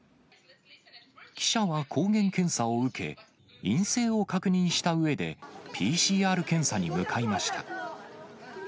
記者は抗原検査を受け、陰性を確認したうえで、ＰＣＲ検査に向かいました。